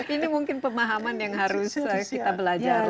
ini mungkin pemahaman yang harus kita belajar